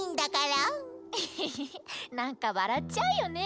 エヘヘヘッなんかわらっちゃうよね。